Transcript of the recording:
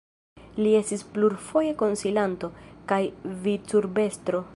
Li estis plurfoje konsilanto, kaj vicurbestro.